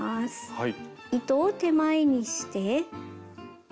はい。